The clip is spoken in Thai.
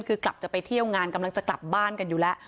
คือกลับจะไปเที่ยวงานกำลังจะกลับบ้านกันอยู่แล้ว